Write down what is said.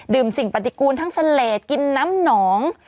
สิ่งปฏิกูลทั้งเสลดกินน้ำหนอง